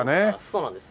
そうなんです。